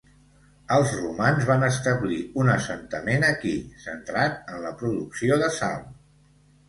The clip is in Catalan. Els romans van establir un assentament aquí, centrat en la producció de sal.